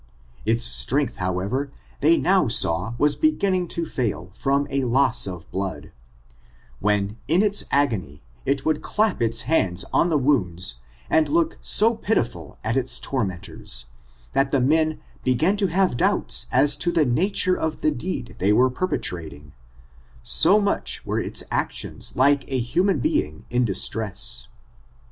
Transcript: Its strength, however, they now saw was beginning to fail from a loss of blood ; when in its agony, it would clap its hands on the wounds and look so pitiful at ^^>»^^^»^ POBTUNEfl, OF THE NEGRO JELACE 2ar its tormentors, that the men began to have doubts as to the nature of the deed they were perpetrating, so much were its actions like a human being in distress.